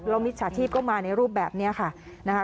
แล้วมิจฉาชีพก็มาในรูปแบบนี้ค่ะนะคะ